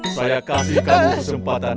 saya kasih kamu kesempatan